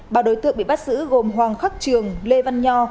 ba đối tượng bị bắt giữ gồm hoàng khắc trường lê văn nho